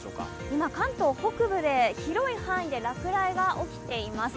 今、関東北部で広い範囲で落雷が起きています。